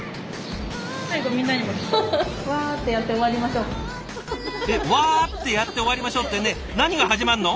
最後みんなにもえっ「ワァー！ってやって終わりましょう」ってねえ何が始まるの？